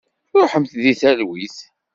Ruḥemt deg talwit.